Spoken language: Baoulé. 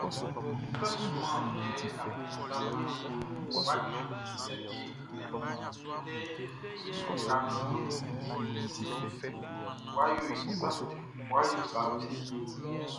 Bakanʼn timan kɛ able sa naan wʼa nian sɛ be kleli i like kpa ka naan wʼa yo sa tɛ.